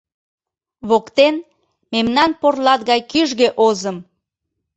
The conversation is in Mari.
Воктен — мемнан порлат гай кӱжгӧ озым!